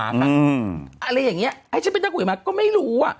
อะไรอย่างนี้ไอ้ฉันไปนั่งคุยกับมาก็ไม่รู้